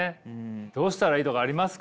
どうしたらいいとかありますかね？